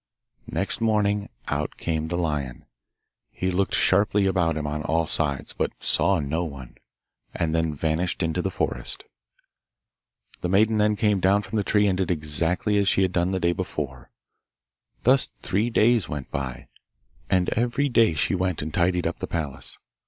Next morning out came the lion. He looked sharply about him on all sides, but saw no one, and then vanished into the forest. The maiden then came down from the tree and did exactly as she had done the day before. Thus three days went by, and every day she went and tidied up the palace.